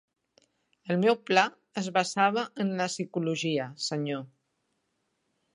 El meu pla es basava en la psicologia, senyor.